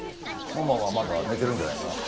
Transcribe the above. ママはまだ寝てるんじゃないかな。